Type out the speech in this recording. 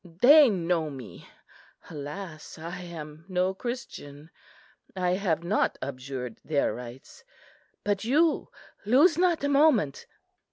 They know me. Alas, I am no Christian! I have not abjured their rites! but you, lose not a moment."